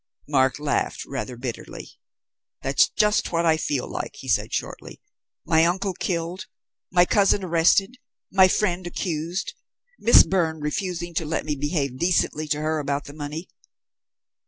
Mark laughed rather bitterly. "That's just what I feel like," he said shortly. "My uncle killed; my cousin arrested; my friend accused. Miss Byrne refusing to let me behave decently to her about the money.